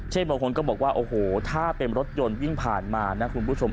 บางคนก็บอกว่าโอ้โหถ้าเป็นรถยนต์วิ่งผ่านมานะคุณผู้ชม